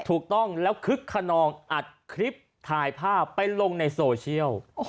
ถูกต้องแล้วคึกขนองอัดคลิปถ่ายภาพไปลงในโซเชียล